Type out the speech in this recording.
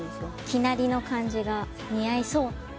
生成りの感じが似合いそう。